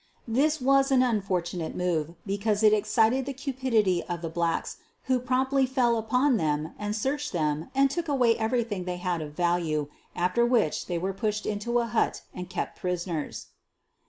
This was an unfortunate move, because it ex cited the cupidity of the blacks, who promptly fell upon them and searched them and took away every 88 SOPHIE LYONS thing they had of value, after which they were pushed into a hut and kept prisoners.